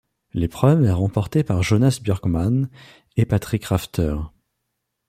L'épreuve est remportée par Jonas Björkman et Patrick Rafter.